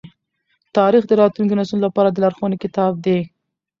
تاریخ د راتلونکو نسلونو لپاره د لارښوونې کتاب دی.